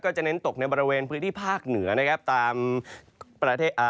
ก็จะเน้นตกในบริเวณพื้นที่ภาคเหนือนะครับ